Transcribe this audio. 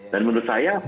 dan menurut saya